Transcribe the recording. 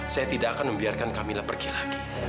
saya tidak akan membiarkan kami pergi lagi